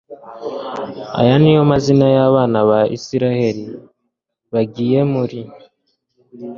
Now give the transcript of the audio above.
Aya ni yo mazina y abana ba Isirayeli bagiye muri